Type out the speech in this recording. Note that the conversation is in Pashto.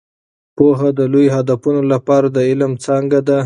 پوهه د لوی هدفونو لپاره د علم څانګه ده.